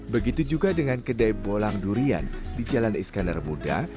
begitu juga dengan kedai bolang durian di jalan iskandar muda